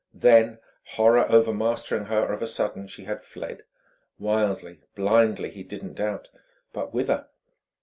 Then, horror overmastering her of a sudden she had fled wildly, blindly, he didn't doubt. But whither?